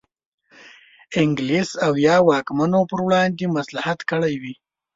انګلیس او یا واکمنو پر وړاندې مصلحت کړی وي.